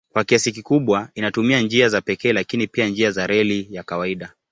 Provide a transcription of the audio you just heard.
Kwa kiasi kikubwa inatumia njia za pekee lakini pia njia za reli ya kawaida.